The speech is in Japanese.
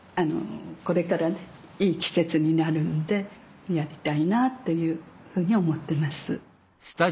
これからねいい季節になるんでやりたいなっていうふうに思ってます。